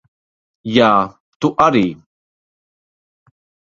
Jā, tu arī.